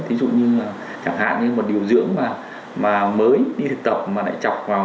ví dụ như chẳng hạn như một điều dưỡng mà mới đi thực tập